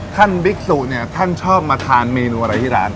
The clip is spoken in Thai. บิ๊กสุเนี่ยท่านชอบมาทานเมนูอะไรที่ร้าน